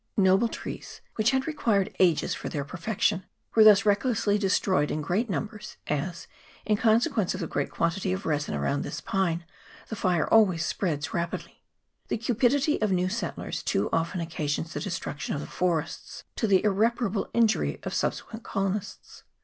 Noble trees, which had required ages for their per fection, were thus recklessly destroyed in great Q 2 228 CONFLAGRATION OF FORESTS. [PART II. numbers, as, in consequence of the great quantity of resin around this pine, the fire always spread rapidly. The cupidity of new settlers too often occasions the destruction of the forests, to the irre parable injury of subsequent colonists.